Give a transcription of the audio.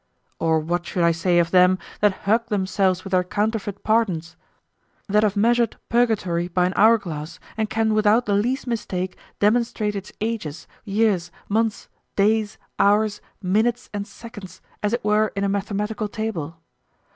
Or what should I say of them that hug themselves with their counterfeit pardons; that have measured purgatory by an hourglass, and can without the least mistake demonstrate its ages, years, months, days, hours, minutes, and seconds, as it were in a mathematical table?